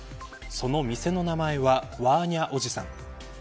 その店の名前はワーニャ伯父さん。